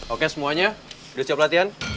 oke semuanya sudah siap latihan